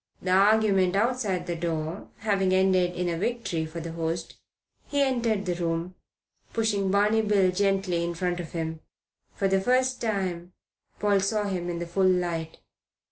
The argument outside the door having ended in a victory for the host, he entered the room, pushing Barney Bill gently in front of him. For the first time Paul saw him in the full light.